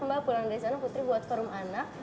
mbak pulang dari sana putri buat forum anak